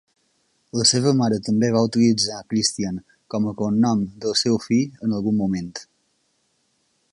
La seva mare també va utilitzar Christian com a cognom del seu fill en algun moment.